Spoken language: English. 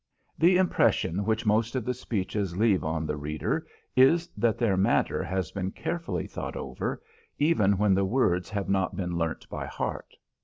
The impression which most of the speeches leave on the reader is that their matter has been carefully thought over even when the words have not been learnt by heart.